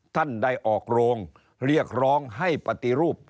ท่านได้ออกโรงเรียกร้องให้ปฏิรูป